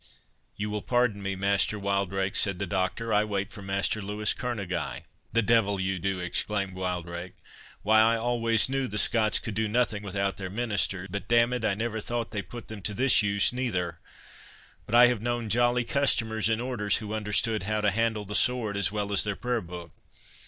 "You will pardon me, Master Wildrake," said the Doctor—"I wait for Master Louis Kerneguy." "The devil you do!" exclaimed Wildrake. "Why, I always knew the Scots could do nothing without their minister; but d—n it, I never thought they put them to this use neither. But I have known jolly customers in orders, who understood how to handle the sword as well as their prayer book.